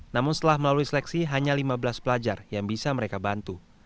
namun setelah melalui seleksi hanya lima belas pelajar yang bisa mereka bantu